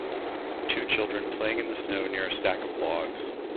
Two children playing in the snow near a stack of logs.